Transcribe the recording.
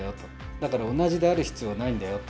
だから、同じである必要はないんだよと。